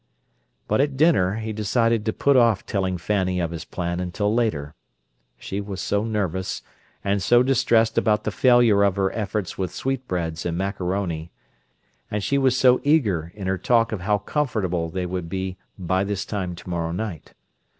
But at "dinner" he decided to put off telling Fanny of his plan until later: she was so nervous, and so distressed about the failure of her efforts with sweetbreads and macaroni; and she was so eager in her talk of how comfortable they would be "by this time to morrow night."